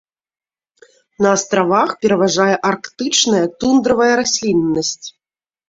На астравах пераважае арктычная тундравая расліннасць.